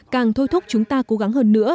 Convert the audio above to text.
càng thôi thúc chúng ta cố gắng hơn nữa